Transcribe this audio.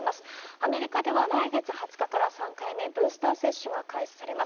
アメリカでは来月２０日から３回目、ブースター接種が開始されます。